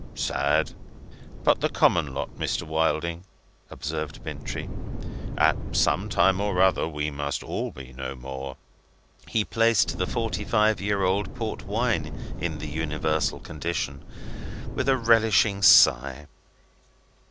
"Sad. But the common lot, Mr. Wilding," observed Bintrey. "At some time or other we must all be no more." He placed the forty five year old port wine in the universal condition, with a relishing sigh.